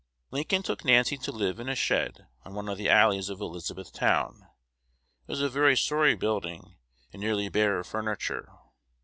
Lincoln took Nancy to live in a shed on one of the alleys of Elizabethtown. It was a very sorry building, and nearly bare of furniture.